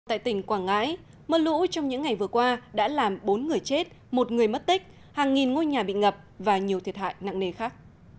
tại tỉnh quảng ngãi mưa lũ trong những ngày vừa qua đã làm bốn người chết một người mất tích hàng nghìn ngôi nhà bị ngập và nhiều thiệt hại nặng nề khác